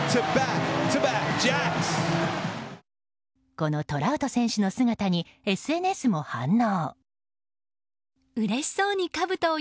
このトラウト選手の姿にＳＮＳも反応。